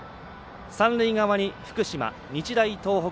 三塁側に福島、日大東北。